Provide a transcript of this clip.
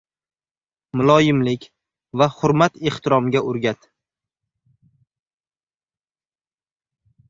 – muloyimlik va hurmat-ehtiromga o‘rgat;